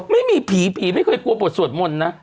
ไม่มีผีผีไม่เคยกลัวบทสวดมนต์นะ